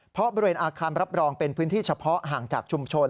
เพราะบริเวณอาคารรับรองเป็นพื้นที่เฉพาะห่างจากชุมชน